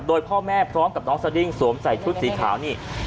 โดยพ่อแม่พร้อมกับน้องสดิ้งสวมใส่ชุดสีขาวนี่